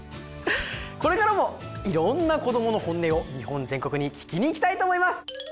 これからもいろんな「こどものホンネ」を日本全国に聞きに行きたいと思います！